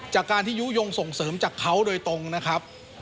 จากการที่ยุโยงส่งเสริมจากเขาโดยตรงนะครับ